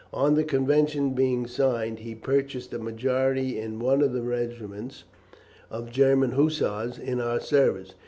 On the Convention being signed he purchased a majority in one of the regiments of German Hussars in our service.